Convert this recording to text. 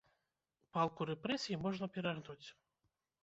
Палку рэпрэсій можна перагнуць.